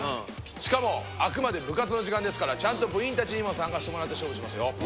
しかもあくまで部活の時間ですからちゃんと部員たちにも参加してもらって勝負しますよ。